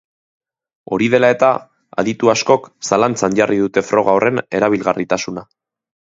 Hori dela eta, aditu askok zalantzan jarri dute froga horren erabilgarritasuna.